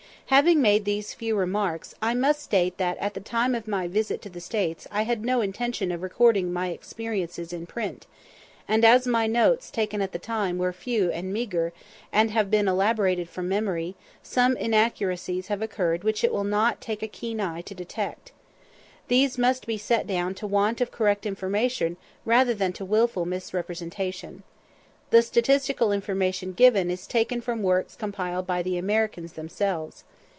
Having made these few remarks, I must state that at the time of my visit to the States I had no intention of recording my "experiences" in print; and as my notes taken at the time were few and meagre, and have been elaborated from memory, some inaccuracies have occurred which it will not take a keen eye to detect. These must be set down to want of correct information rather than to wilful misrepresentation. The statistical information given is taken from works compiled by the Americans themselves.